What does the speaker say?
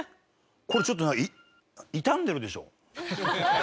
これちょっと傷んでるでしょ。